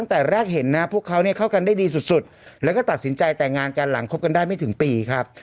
ตั้งแต่แรกเห็นนะพวกเขาเนี่ยเข้ากันได้ดีสุดแล้วก็ตัดสินใจแต่งงานกันหลังคบกันได้ไม่ถึงปีครับ